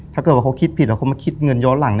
ถ้าเกิดว่าเขาคิดผิดแล้วเขามาคิดเงินย้อนหลัง